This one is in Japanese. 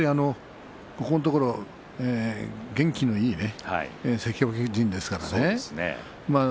ここのところ元気のいい関脇陣ですからね。